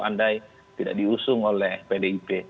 andai tidak diusung oleh pdip